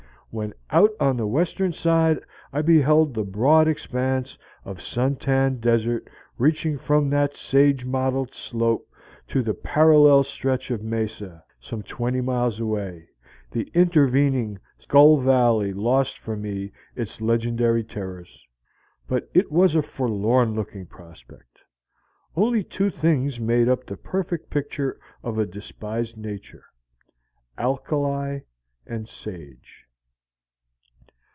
When out on the western side and I beheld the broad expanse of sun tanned desert reaching from that sage mottled slope to the parallel stretch of mesa, some twenty miles away, the intervening Skull Valley lost for me its legendary terrors. But it was a forlorn looking prospect; only two things made up the perfect picture of a despised Nature alkali and sage.